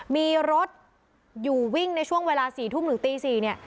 มีรถอยู่วิ่งในช่วงเวลา๔ทุ่มหรือตี๔